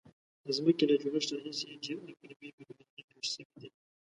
د ځمکې له جوړښت راهیسې ډیر اقلیمي بدلونونه پیښ شوي دي.